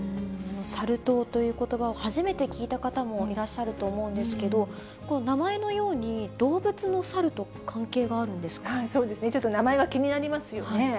サル痘ということばを初めて聞いた方もいらっしゃると思うんですけど、この名前のように、そうですね、ちょっと名前が気になりますよね。